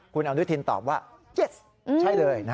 คุณอนุทินตอบว่า๗ใช่เลย